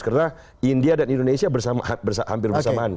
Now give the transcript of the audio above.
karena india dan indonesia hampir bersamaan